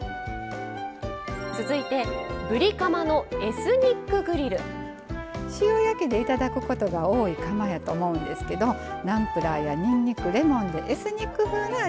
続いて塩焼きで頂くことが多いカマやと思うんですけどナムプラーやにんにくレモンでエスニック風な味付けにします。